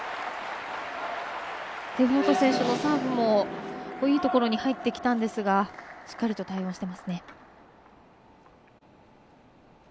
デフロート選手のサーブもいいところに入ってきたんですがしっかりと対応しています。